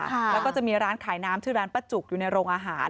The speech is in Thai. แล้วก็จะมีร้านขายน้ำชื่อร้านป้าจุกอยู่ในโรงอาหาร